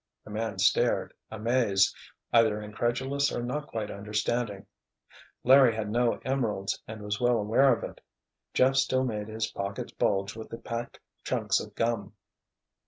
The man stared, amazed, either incredulous or not quite understanding. Larry had no emeralds and was well aware of it. Jeff still made his pockets bulge with the packed chunks of gum.